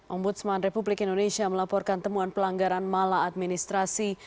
ombudsman republik indonesia melaporkan temuan pelanggaran malah administrasi